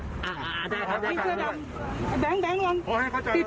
แม่แดงวังติ๊บ